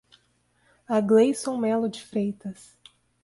Agleilson Melo de Freitas